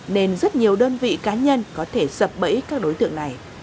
nên rất nhiều đơn vị cá nhân có thể sập bẫy các đối tượng này